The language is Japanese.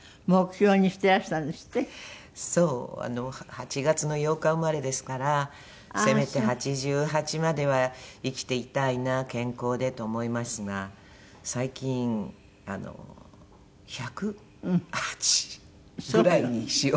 ８月の８日生まれですからせめて８８までは生きていたいな健康でと思いますが最近あの１０８ぐらいにしようかなとか。